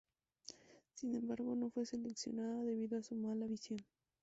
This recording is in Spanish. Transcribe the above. Sin embargo, no fue seleccionada debido a su mala visión.